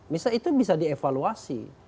misalnya itu bisa dievaluasi